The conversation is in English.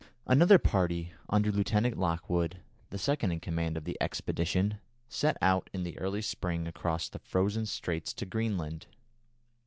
Another party, under Lieutenant Lockwood, the second in command of the expedition, set out in the early spring across the frozen straits to Greenland.